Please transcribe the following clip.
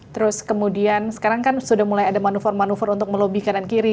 terus kemudian sekarang kan sudah mulai ada manuver manuver untuk melobi kanan kiri